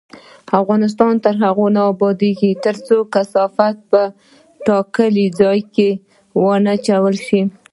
افغانستان تر هغو نه ابادیږي، ترڅو کثافات په ټاکلي ځای کې ونه اچول شي.